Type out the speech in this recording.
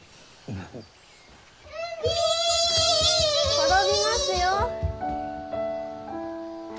転びますよ！